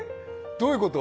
どういうこと？